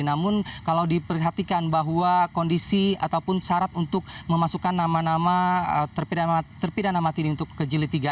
namun kalau diperhatikan bahwa kondisi ataupun syarat untuk memasukkan nama nama terpidana mati ini untuk ke jilid tiga